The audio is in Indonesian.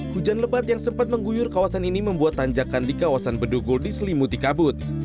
hujan lebat yang sempat mengguyur kawasan ini membuat tanjakan di kawasan bedugul diselimuti kabut